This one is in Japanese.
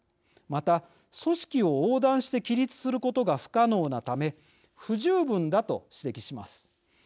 また、組織を横断して規律することが不可能なため不十分だ」と指摘します。